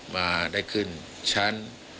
มาได้ขึ้นชั้น